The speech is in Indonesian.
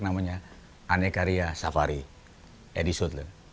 namanya ane karya safari edisut